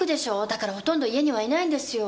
だからほとんど家にはいないんですよ。